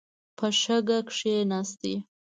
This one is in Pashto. په شګه کښېناست.